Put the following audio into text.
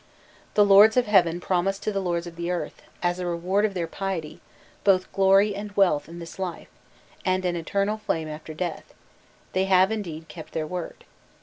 The lords of heaven promised to the lords of the earth, as a reward of their piety, both glory and wealth in this life, and an eternal fame after death: they have, indeed, kept their word.